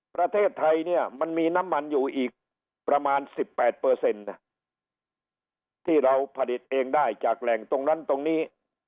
ประเทศไทยเนี่ยมันมีน้ำมันอยู่อีกประมาณ๑๘ที่เราผลิตเองได้จากแหล่งตรงนั้นตรงนี้